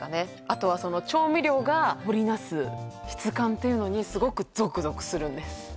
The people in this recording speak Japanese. あとはその調味料が織りなす質感というのにすごくゾクゾクするんです